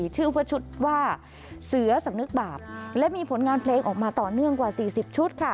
ชื่อว่าชุดว่าเสือสำนึกบาปและมีผลงานเพลงออกมาต่อเนื่องกว่า๔๐ชุดค่ะ